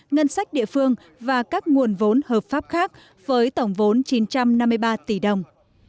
ngân sách địa phương và các nguồn vốn hợp pháp khác với tổng vốn chín trăm năm mươi ba tỷ đồng